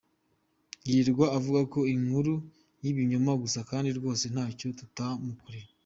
Yirirwa avuga inkuru z’ibinyoma gusa kandi rwose ntacyo tutamukoreye.